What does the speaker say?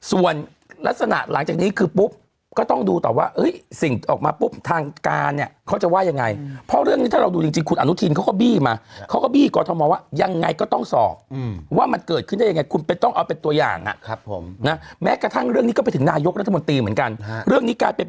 ส่วนลักษณะหลังจากนี้คือปุ๊บก็ต้องดูต่อว่าสิ่งออกมาปุ๊บทางการเนี่ยเขาจะว่ายังไงเพราะเรื่องนี้ถ้าเราดูจริงคุณอนุทินเขาก็บี้มาเขาก็บี้กอทมว่ายังไงก็ต้องสอบว่ามันเกิดขึ้นได้ยังไงคุณต้องเอาเป็นตัวอย่างครับผมนะแม้กระทั่งเรื่องนี้ก็ไปถึงนายกรัฐมนตรีเหมือนกันเรื่องนี้กลายเป็น